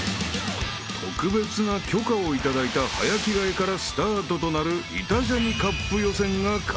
［特別な許可を頂いた早着替えからスタートとなるイタ×ジャニカップ予選が開幕］